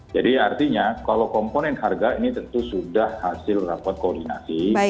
jadi artinya kalau komponen harga ini tentu sudah hasil rapat koordinasi